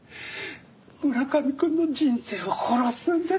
村上くんの人生を殺すんです！